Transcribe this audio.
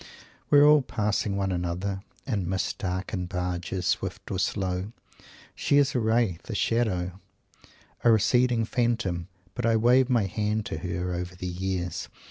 We are all passing one another, in mist darkened barges, swift or slow. She is a wraith, a shadow, a receding phantom; but I wave my hand to her over the years!